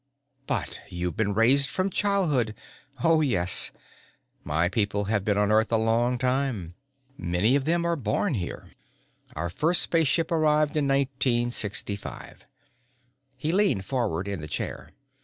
"But you've been raised from childhood...." "Oh yes. My people have been on Earth a long time. Many of them are born here. Our first spaceship arrived in Nineteen Sixty five." He leaned forward in the chair.